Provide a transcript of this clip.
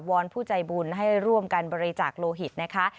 อนผู้ใจบุญให้ร่วมกันบริจาคโลหิตนะคะ